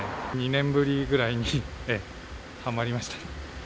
２年ぶりぐらいにはまりましたね。